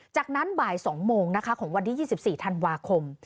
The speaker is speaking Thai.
จากนั้นบ่าย๒โมงนะคะของวันที่๒๔ธันวาคม